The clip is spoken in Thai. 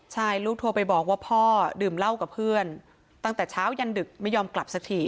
ใช่ลูกโทรไปบอกว่าพ่อดื่มเหล้ากับเพื่อนตั้งแต่เช้ายันดึกไม่ยอมกลับสักที